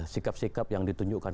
sikap sikap yang ditunjukkan